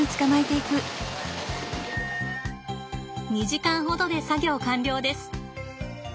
２時間ほどで作業完了です。